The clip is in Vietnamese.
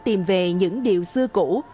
tìm về những điều xưa cũ